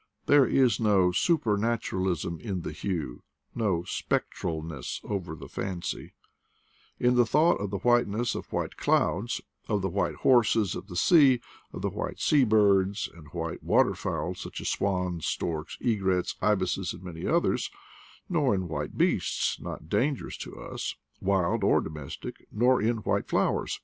There is no "supernaturalism in the hue," no "spectralness over the fancy," in the thought of the whiteness of white clouds; of the white horses of the sea; of white sea birds, and white water fowl, such as swans, storks, egrets, ibises, and many others ; nor in white beasts, not dangerous to us, wild or domestic, nor in white flowers.